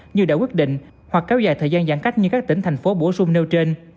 như đã quyết định hoặc kéo dài thời gian giãn cách như các tỉnh thành phố bổ sung nêu trên